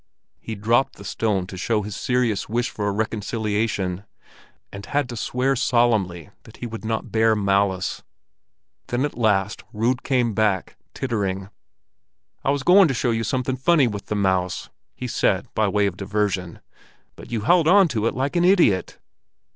He dropped the stone to show his serious wish for a reconciliation, and had to swear solemnly that he would not bear malice. Then at last Rud came back, tittering. "I was going to show you something funny with the mouse," he said by way of diversion; "but you held on to it like an idiot."